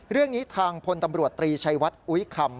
เรื่องนี้ทางพลตำรวจตรีชัยวัดอุ๊ยคำ